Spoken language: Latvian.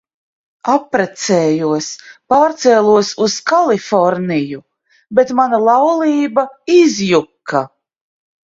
Apprecējos, pārcēlos uz Kaliforniju, bet mana laulība izjuka.